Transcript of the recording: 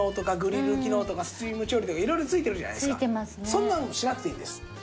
そんなのしなくていいんです。